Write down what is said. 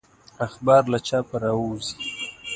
اخبار له چاپه راووزي.